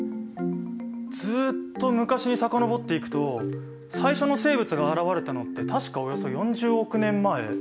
ずっと昔に遡っていくと最初の生物が現れたのって確かおよそ４０億年前。